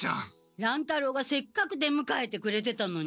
乱太郎がせっかく出むかえてくれてたのに。